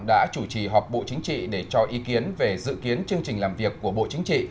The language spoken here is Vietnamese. đã chủ trì họp bộ chính trị để cho ý kiến về dự kiến chương trình làm việc của bộ chính trị